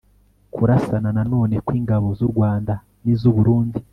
kurasana nanone kw'ingabo z'u rwanda n'iz'u burundi